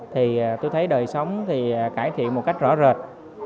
thì tôi thấy đời sống thì cải thiện một cách rõ rệt